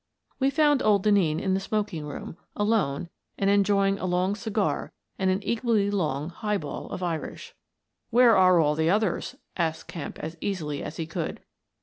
We found old Denneen in the smoking room, alone and enjoying a long cigar and an equally long high ball of Irish. "Where are all the others ?" asked Kemp, as easily as he could.